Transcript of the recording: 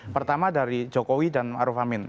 pertama dari jokowi dan maruf amin